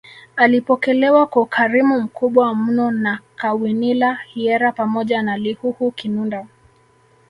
Alipokelewa kwa ukarimu mkubwa mno na Kawinila Hyera pamoja na Lihuhu Kinunda